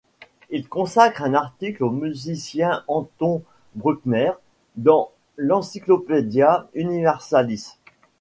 Il consacre un article au musicien Anton Bruckner dans l'Encyclopædia Universalis.